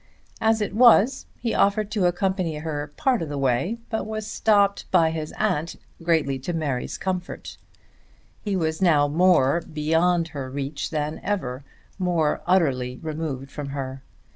As it was he offered to accompany her a part of the way, but was stopped by his aunt, greatly to Mary's comfort. He was now more beyond her reach than ever, more utterly removed from her.